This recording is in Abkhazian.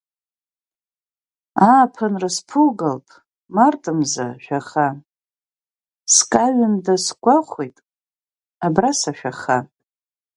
Ааԥынра сԥугалт, март мза жәаха, скаҩында сгәахәит абра сашәаха.